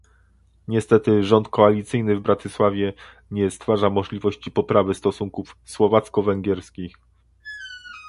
Niestety rząd koalicyjny w Bratysławie nie stwarza możliwości poprawy stosunków słowacko-węgierskich